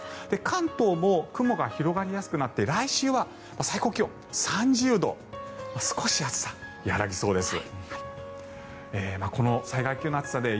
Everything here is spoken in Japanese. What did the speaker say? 関東も雲が広がりやすくなって来週は最高気温３０度少し暑さは和らぎそうです。